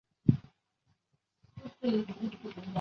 电影没有明确提及被指种族灭绝亚美尼亚人的土耳其。